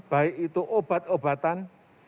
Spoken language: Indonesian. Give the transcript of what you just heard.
baik itu obat obatan